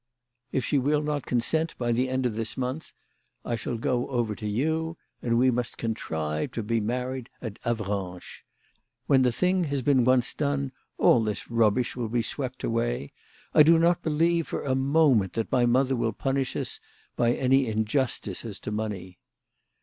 If she will not consent by the end of this month I shall go over to you, and we must contrive to be married at Avranches. When the thing has been once done all this rubbish will be swept away. I do not believe for a moment that my mother will punish us by any injustice as to money.